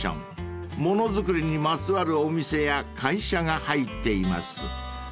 ［ものづくりにまつわるお店や会社が入っています］